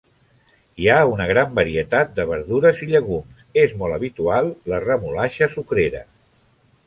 Hi ha una gran varietat de verdures i llegums, és molt habitual la remolatxa sucrera.